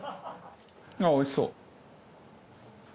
ああおいしそう。